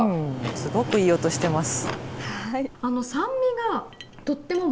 すごくいい音しています。